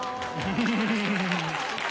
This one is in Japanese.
フフフフ。